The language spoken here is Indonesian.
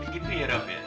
gitu ya rab ya